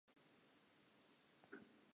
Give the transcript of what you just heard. Ke mehlolo ntho eo ke e utlwang.